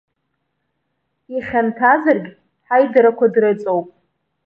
Ихьанҭазаргь, ҳаидарақәа дрыҵоуп.